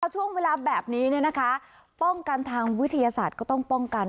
ช่วงเวลาแบบนี้ป้องกันทางวิทยาศาสตร์ก็ต้องป้องกัน